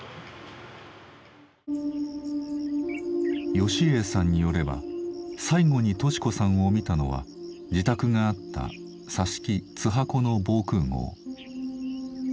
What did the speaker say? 芳英さんによれば最後に敏子さんを見たのは自宅があった佐敷津波古の防空壕。